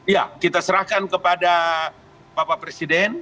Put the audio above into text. ya kita serahkan kepada bapak presiden